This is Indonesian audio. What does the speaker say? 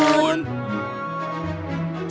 selamat ulang tahun sayang